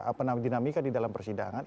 apa namanya dinamika di dalam persidangan